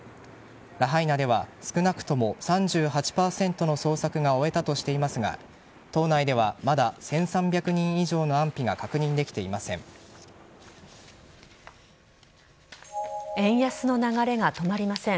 ラハイナでは少なくとも３８％の捜索が終えたとしていますが島内では、まだ１３００人以上の円安の流れが止まりません。